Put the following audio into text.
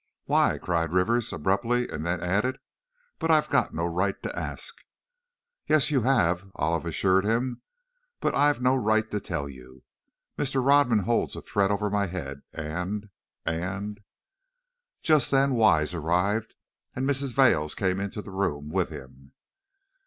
"Why?" cried Rivers, abruptly, and then added, "but I've no right to ask." "Yes, you have," Olive assured him, "but I've no right to tell you. Mr. Rodman holds a threat over my head, and and " Just then Wise arrived, and Mrs. Vail came into the room with him.